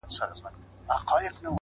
هره تجربه د پوهې نوی فصل دی